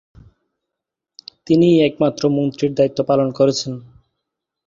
তিনি একমাত্র মন্ত্রীর দায়িত্ব পালন করেছেন।